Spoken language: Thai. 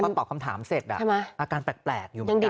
พอตอบคำถามเสร็จอาการแปลกอยู่เหมือนกัน